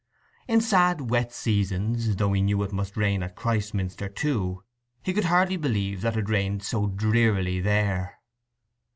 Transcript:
In sad wet seasons, though he knew it must rain at Christminster too, he could hardly believe that it rained so drearily there.